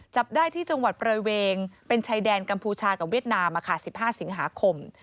จับได้ที่จังหวัดประเวงเป็นชายแดนกัมพูชากับเวียดนาม๑๕สิงหาคม